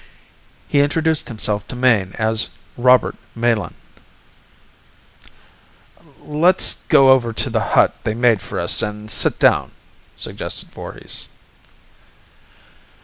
He introduced himself to Mayne as Robert Melin. "Let's go over to the hut they made for us an' sit down," suggested Voorhis.